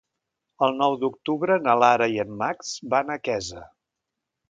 El nou d'octubre na Lara i en Max van a Quesa.